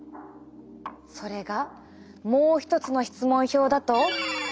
それがもう一つの質問票だと。